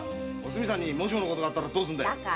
おすみさんにもしものことがあったらどうすんだよ？